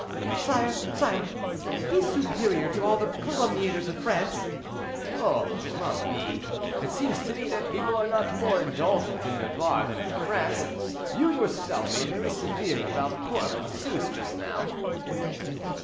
"Sire, sire, be superior to all the calumniators of France." "Oh! ma mie, it seems to me that people are not more indulgent in Navarre than in France; you, yourself, were very severe about poor Fosseuse just now."